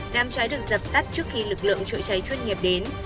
đam trái được dập tắt trước khi lực lượng chữa cháy chuyên nghiệp đến